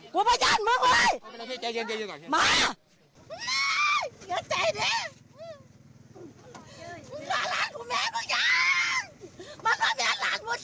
ผู้ประญาณเหมืองเว้ย